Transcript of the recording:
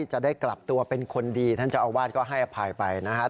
จะได้กลับตัวเป็นคนดีท่านเจ้าอาวาสก็ให้อภัยไปนะครับ